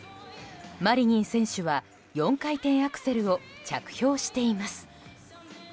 マリニン選手は４回転アクセルを着氷しています。